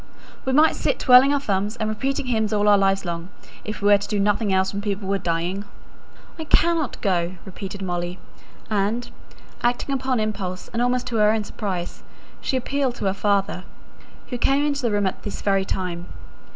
We might sit twirling our thumbs, and repeating hymns all our lives long, if we were to do nothing else when people were dying." "I cannot go," repeated Molly. And, acting upon impulse, and almost to her own surprise, she appealed to her father, who came into the room at this very time.